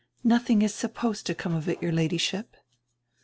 "Nothing is supposed to come of it, your Ladyship."